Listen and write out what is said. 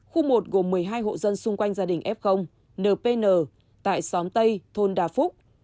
khu một gồm một mươi hai hộ dân xung quanh gia đình f npn tại xóm tây thôn đa phúc